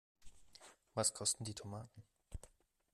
Was kosten die Tomaten?